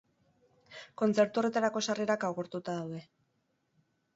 Kontzertu horretarako sarrerak agortuta daude.